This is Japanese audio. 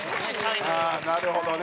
ああなるほどね。